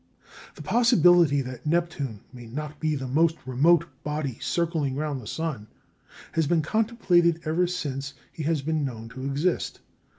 The possibility that Neptune may not be the most remote body circling round the sun has been contemplated ever since he has been known to exist.